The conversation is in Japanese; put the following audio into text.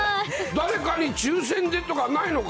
誰かに抽せんでとかないのか！